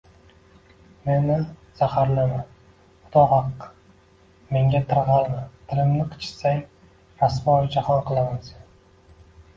Meni zaharlama xudo haqqi, menga tirg'alma, tilimni qichitsang, rasvoi jahon qilaman seni!